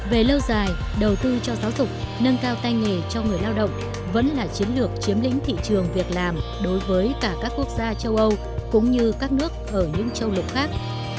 về lâu dài đầu tư cho giáo dục nâng cao tay nghề cho người lao động vẫn là chiến lược chiếm lĩnh thị trường việc làm đối với cả các quốc gia châu âu cũng như các nước ở những châu lục khác